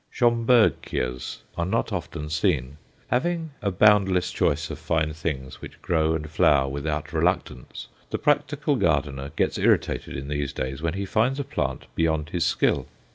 Schomburgkias are not often seen. Having a boundless choice of fine things which grow and flower without reluctance, the practical gardener gets irritated in these days when he finds a plant beyond his skill.